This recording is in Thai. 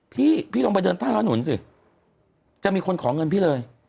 พี่ต้องไปเดินท่านอนุญสิจะมีคนขอเงินพี่เลย